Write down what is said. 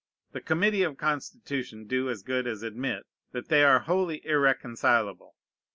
The Committee of Constitution do as good as admit that they are wholly irreconcilable.